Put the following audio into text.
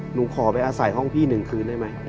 หนูขอไปอาศัยห้องพี่๑คืนได้ไหม